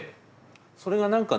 それが何かね